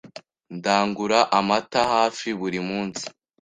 Ndagura amata hafi buri munsi.